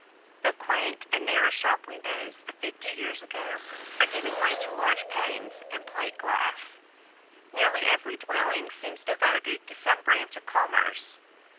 The quaint and narrow shop windows of fifty years ago, are giving way to large panes and plate glass. Nearly every dwelling seems devoted to some branch of commerce.